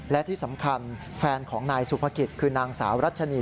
และที่สำคัญแฟนของนายสุภกิจคือนางสาวรัชนี